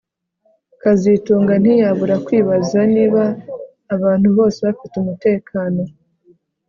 kazitunga ntiyabura kwibaza niba abantu bose bafite umutekano